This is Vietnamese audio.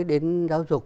đến giáo dục